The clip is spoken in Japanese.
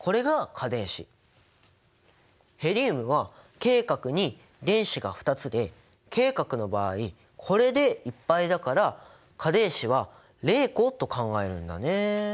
ヘリウムはＫ殻に電子が２つでＫ殻の場合これでいっぱいだから価電子は０個と考えるんだね。